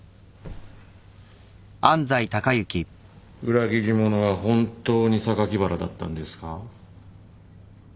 裏切り者は本当に榊原だったんですか？